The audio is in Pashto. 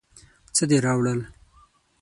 څه دې راوړل؟